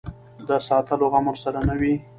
د ساتلو غم ورسره نه وي.